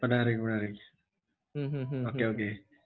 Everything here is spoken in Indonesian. pernah ring pernah ring oke oke